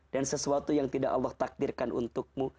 dan sesuatu yang tidak allah takdirkan untukmu